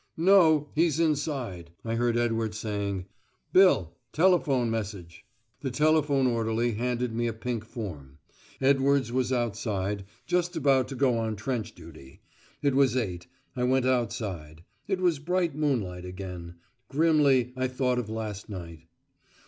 "No, he's inside," I heard Edwards saying. "Bill. Telephone message." The telephone orderly handed me a pink form. Edwards was outside, just about to go on trench duty. It was eight. I went outside. It was bright moonlight again. Grimly, I thought of last night.